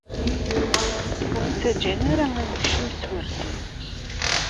Ur ɣ-ttaǧǧan ara ad nekcem s urti.